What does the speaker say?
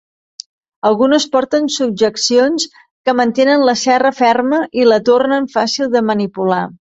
Algunes porten subjeccions que mantenen la serra ferma i la tornen fàcil de manipular.